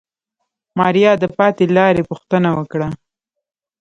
ماريا د پاتې لارې پوښتنه وکړه.